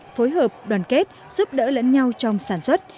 phối hợp đoàn kết giúp đỡ lẫn nhau trong sản xuất